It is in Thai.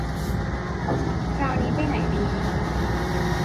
คราวนี้ไปไหนดี